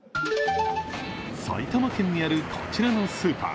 埼玉県にあるこちらのスーパー。